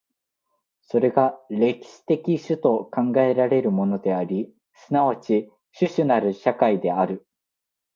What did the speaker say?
それが歴史的種と考えられるものであり、即ち種々なる社会である。